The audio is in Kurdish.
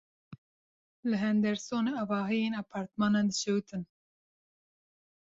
Li Hendersonê avahiyên apartmanan dişewitin.